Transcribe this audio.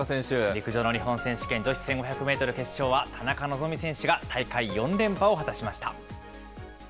陸上の日本選手権、女子１５００メートル決勝は、田中希実選手が大会４連覇を果たしました。